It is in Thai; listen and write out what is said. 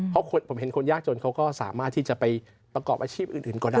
เพราะผมเห็นคนยากจนเขาก็สามารถที่จะไปประกอบอาชีพอื่นก็ได้